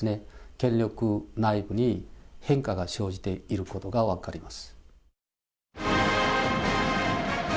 権力内部に変化が生じていることが分かります。